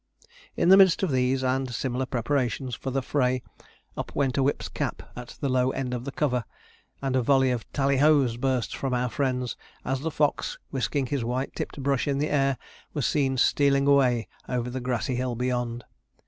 In the midst of these and similar preparations for the fray, up went a whip's cap at the low end of the cover; and a volley of 'Tallyhos' burst from our friends, as the fox, whisking his white tipped brush in the air, was seen stealing away over the grassy hill beyond.